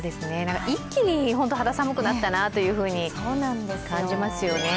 一気に肌寒くなったなと感じますよね。